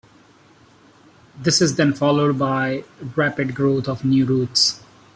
This is then followed by rapid growth of new roots.